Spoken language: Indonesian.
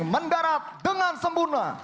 mendarat dengan sempurna